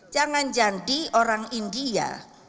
jangan jadi orang india